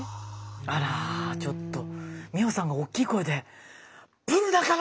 あらちょっと美穂さんがおっきい声で「ブル中野！」。